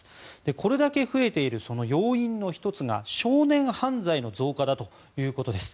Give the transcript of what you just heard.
これだけ増えている要因の１つが少年犯罪の増加だということです。